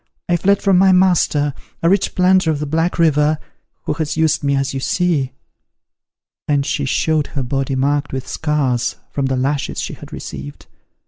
I fled from my master, a rich planter of the Black River, who has used me as you see;" and she showed her body marked with scars from the lashes she had received.